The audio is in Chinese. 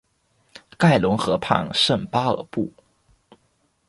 盖隆河畔圣巴尔布。